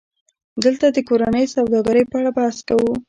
دلته د کورنۍ سوداګرۍ په اړه بحث کوو